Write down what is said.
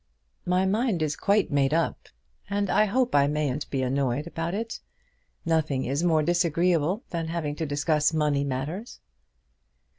My mind is quite made up, and I hope I mayn't be annoyed about it. Nothing is more disagreeable than having to discuss money matters."